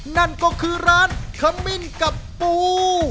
นั่นก็คือร้านขมิ้นกับปู